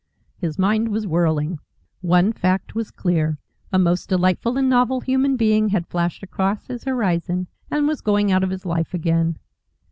His mind was whirling. One fact was clear. A most delightful and novel human being had flashed across his horizon and was going out of his life again.